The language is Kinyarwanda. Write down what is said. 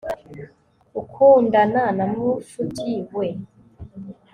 ukundana na mushuti we